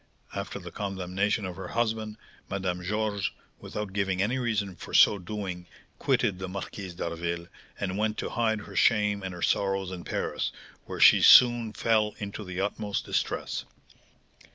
After the condemnation of her husband, Madame Georges, without giving any reason for so doing, quitted the Marquise d'Harville, and went to hide her shame and her sorrows in Paris, where she soon fell into the utmost distress.